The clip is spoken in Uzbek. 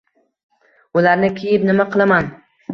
— Ularni kiyib nima qilaman?